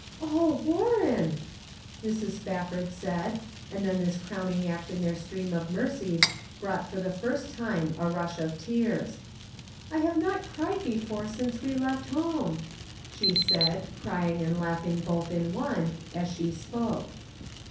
" Oh, Warren !" Mrs. Spafford said, and then this crowning act in their stream of mercies brought for the first time a rush of tears. " I have not cried before since we left home," she said, crying and laughing both in one as she spoke.